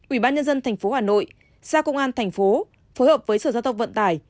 ủy ban nhân dân tp hà nội xã công an tp phối hợp với sở giao thông vận tải